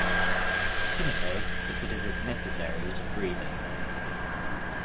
Timofey considers it necessary to free them.